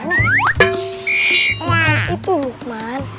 bukan itu lukman